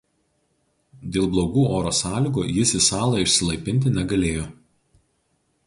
Dėl blogų oro sąlygų jis į salą išsilaipinti negalėjo.